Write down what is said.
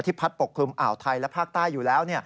พัดปกคลุมอ่าวไทยและภาคใต้อยู่แล้ว